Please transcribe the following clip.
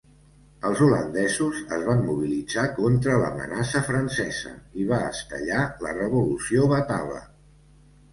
Els holandesos es van mobilitzar contra l'amenaça francesa i va estellar la Revolució Batava.